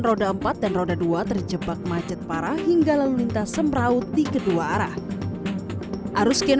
roda empat dan roda dua terjebak macet parah hingga lalu lintas semraut di kedua arah arus gen